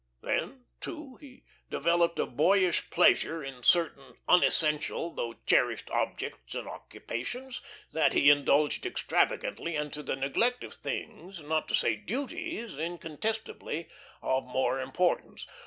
Then, too, he developed a boyish pleasure in certain unessential though cherished objects and occupations, that he indulged extravagantly and to the neglect of things, not to say duties, incontestably of more importance.